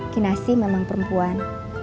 kinasi memang perempuan